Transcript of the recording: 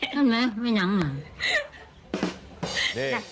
นั่นแม่ไม่ยังเหรอ